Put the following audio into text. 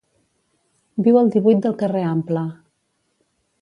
Viu al divuit del carrer Ample.